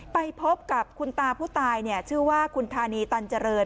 ไปพบกับคุณตาผู้ตายชื่อว่าคุณธานีตันเจริญ